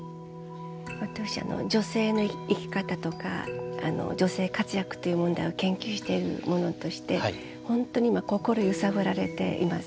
私女性の生き方とか女性活躍という問題を研究している者として本当に今心揺さぶられています。